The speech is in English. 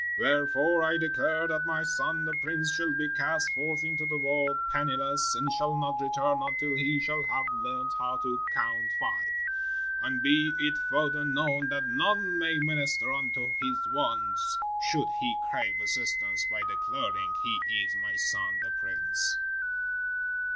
Wherefore, I declare that my son, the prince, shall be cast forth into the world, penniless, and shall not return until he shall have learned how to Count Five. And be it further known that none may minister unto his wants should he crave assistance by declaring he is my son, the prince."